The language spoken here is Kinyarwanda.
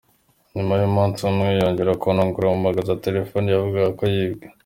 Nyuma y’umunsi umwe yongera kuntungura ampamamagaza telefoni yavugaga ko yibwe."